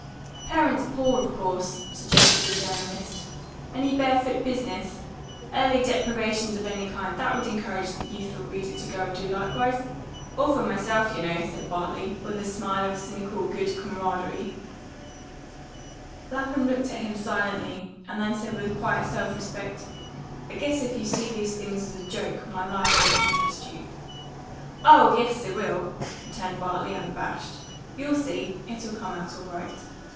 "Parents poor, of course," suggested the journalist. "Any barefoot business? Early deprivations of any kind, that would encourage the youthful reader to go and do likewise? Orphan myself, you know," said Bartley, with a smile of cynical good comradery. Lapham looked at him silently, and then said with quiet self respect, "I guess if you see these things as a joke, my life won't interest you." "Oh yes, it will," returned Bartley, unabashed. "You'll see; it'll come out all right."